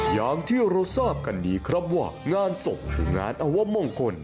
อย่างที่เราทราบกันดีครับว่างานศพคืองานอวมงคล